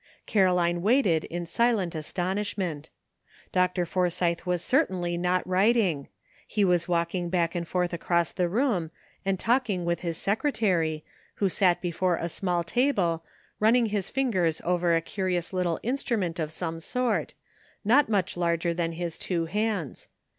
Caroline waited in silent astonishment. Dr. Forsythe was cer tainly not writing; he was walking back and forth across the room and talking with his sec retary, who sat before a small table, running his fingers over a curious little instrument of some sort, not much larger than his two hands.